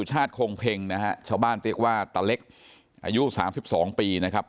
ชาวบ้านเรียกว่าตาเล็กอายุ๓๒ปีนะครับ